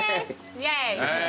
イエーイ。